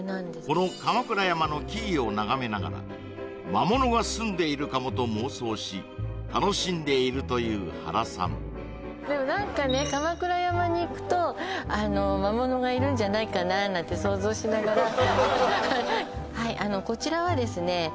この鎌倉山の木々を眺めながら「魔物が棲んでいるかも」と妄想し楽しんでいるという原さんでも何かね鎌倉山に行くと「魔物がいるんじゃないかな」なんて想像しながらはいこちらはですね